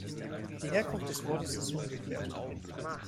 Die Herkunft des Wortes ist ungeklärt.